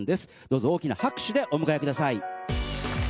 どうぞ大きな拍手でお迎えください。